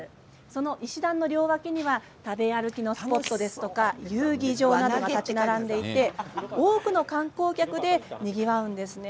石段の両脇には食べ歩きのスポットですとか遊技場などが建ち並んでいて多くの観光客でにぎわうんですね。